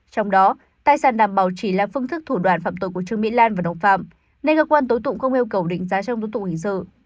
trong đó tài sản đảm bảo chỉ là phương thức thủ đoạn phạm tội của trương mỹ lan và đồng phạm nên cơ quan tố tụng không yêu cầu định giá trong tố tụng hình sự